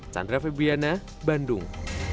chandra febriana bandung